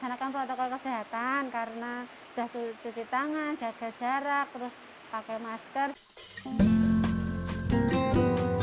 karena sudah cuci tangan jaga jarak terus pakai masker